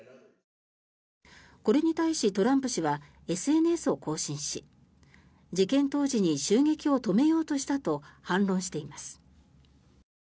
これに対し、トランプ氏はＳＮＳを更新し事件当時に襲撃を止めようとしたと反論しています。